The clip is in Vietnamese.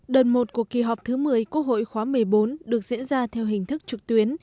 đợt một của kỳ họp thứ một mươi quốc hội khóa một mươi bốn được diễn ra theo hình thức trực tuyến